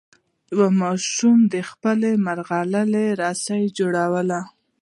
یوه ماشوم د خپلې ملغلرې رسۍ جوړوله.